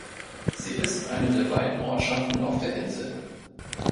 Sie ist eine der beiden Ortschaften auf der Insel.